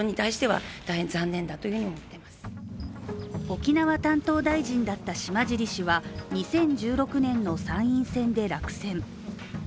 沖縄担当大臣だった島尻氏は２０１６年の参院選で落選。